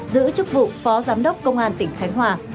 giữ chức vụ phó giám đốc công an tỉnh khánh hòa